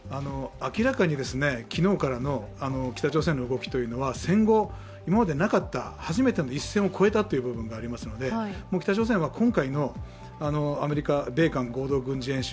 明らかに昨日からの北朝鮮の動きというのは戦後、今までなかった初めての一線を越えたという部分がありますので北朝鮮は今回のアメリカ、米韓軍事演習、